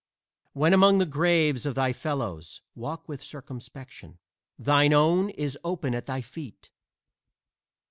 When among the graves of thy fellows, walk with circumspection; thine own is open at thy feet.